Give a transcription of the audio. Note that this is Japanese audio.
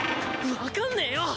わかんねえよ！